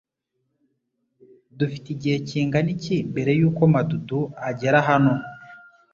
Dufite igihe kingana iki mbere yuko Madudu agera hano?